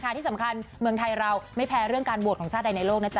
ที่สำคัญเมืองไทยเราไม่แพ้เรื่องการบวชของชาติใดในโลกนะจ๊